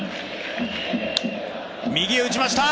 右へ打ちました。